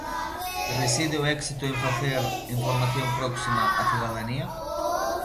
Reside o éxito en facer información próxima á cidadanía?